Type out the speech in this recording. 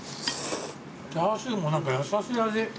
チャーシューも何か優しい味。